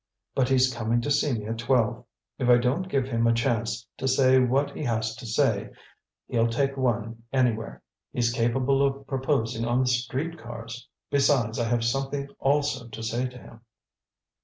But he's coming to see me at twelve. If I don't give him a chance to say what he has to say, he'll take one anywhere. He's capable of proposing on the street cars. Besides, I have something also to say to him."